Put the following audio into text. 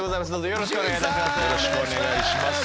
よろしくお願いします。